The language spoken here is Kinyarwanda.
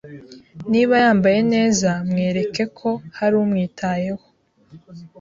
Niba yambaye neza, mwereke ko hari umwitayeho